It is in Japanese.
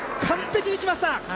完璧にきました！